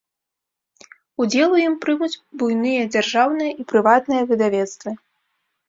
Удзел у ім прымуць буйныя дзяржаўныя і прыватныя выдавецтвы.